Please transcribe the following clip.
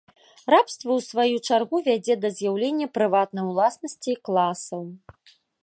Рабства ў сваю чаргу вядзе да з'яўлення прыватнай уласнасці і класаў.